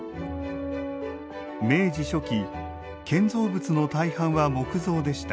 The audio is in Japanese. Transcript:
明治初期建造物の大半は木造でした。